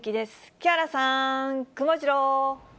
木原さん、くもジロー。